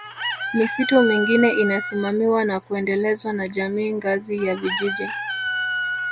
Misitu mingine inasimamiwa na kuendelezwa na Jamii ngazi ya Vijiji